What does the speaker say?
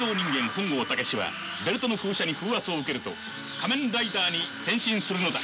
本郷猛はベルトの風車に風圧を受けると仮面ライダーに変身するのだ。